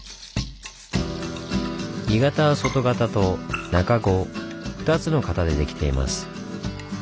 鋳型は外型と中子２つの型でできています。